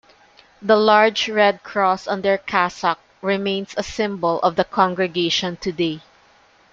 The large, red cross on their cassock remains a symbol of the Congregation today.